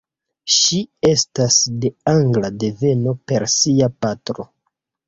Ŝi estas de angla deveno per sia patro.